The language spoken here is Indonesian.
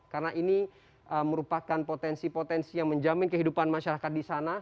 karena ini merupakan potensi potensi yang menjamin kehidupan masyarakat di sana